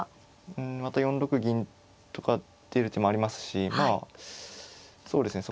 うんまた４六銀とか出る手もありますしまあそうですね